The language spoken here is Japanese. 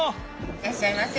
いらっしゃいませ！